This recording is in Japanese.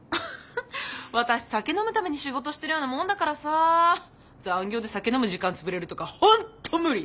私酒飲むために仕事してるようなもんだからさ残業で酒飲む時間潰れるとか本当無理！